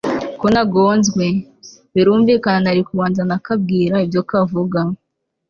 ko nagonzwe, birumvika nari kubanza nakabwira ibyo kavuga!